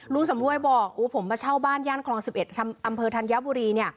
สำรวยบอกผมมาเช่าบ้านย่านคลอง๑๑อำเภอธัญบุรี